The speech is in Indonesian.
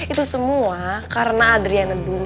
itu semua karena adriana boom